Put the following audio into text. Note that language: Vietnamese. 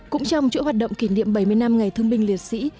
cũng trong chuỗi hoạt động kỷ niệm bảy mươi năm ngày thương binh liệt sĩ